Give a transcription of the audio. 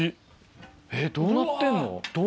どうなってんの？